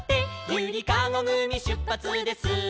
「ゆりかごぐみしゅっぱつです」